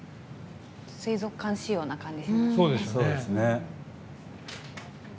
水族館仕様な感じですね。